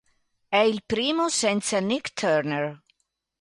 È il primo senza Nik Turner.